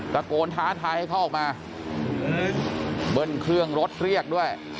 ตะโกนท้าทายให้เขาออกมาเบิ้ลเครื่องรถเรียกด้วย